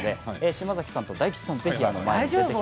島崎さんと大吉さん、ぜひ前に。